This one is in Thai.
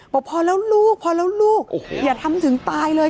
บอกพอแล้วลูกพอแล้วลูกอย่าทำถึงตายเลย